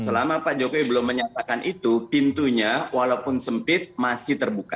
selama pak jokowi belum menyatakan itu pintunya walaupun sempit masih terbuka